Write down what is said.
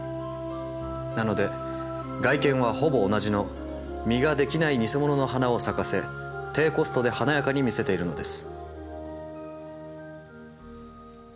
なので外見はほぼ同じの実ができないニセモノの花を咲かせ低コストで華やかに見せているのです。